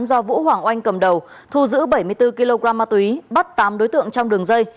do vũ hoàng oanh cầm đầu thu giữ bảy mươi bốn kg ma túy bắt tám đối tượng trong đường dây